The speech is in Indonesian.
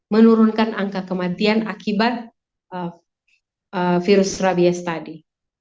menurunkan angka kematian akibat virus rabies tadi